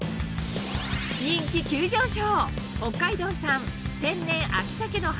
人気急上昇！